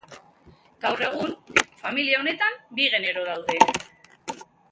Gaur egun familia honetan bi genero daude.